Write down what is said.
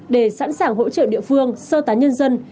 để sẵn sàng hỗ trợ địa phương sơ tán nhân dân